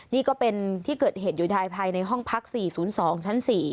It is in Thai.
นี่ก็เป็นที่เกิดเหตุอยู่ภายในห้องพัก๔๐๒ชั้น๔